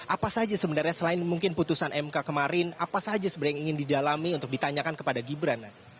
apa saja sebenarnya selain mungkin putusan mk kemarin apa saja sebenarnya yang ingin didalami untuk ditanyakan kepada gibran